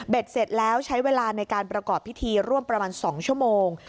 เสร็จแล้วใช้เวลาในการประกอบพิธีร่วมประมาณ๒ชั่วโมง